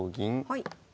はい。